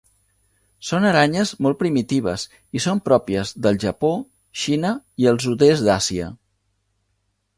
Són aranyes molt primitives i són pròpies del Japó, Xina i el sud-est d'Àsia.